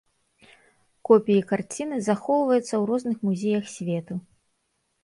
Копіі карціны захоўваюцца ў розных музеях свету.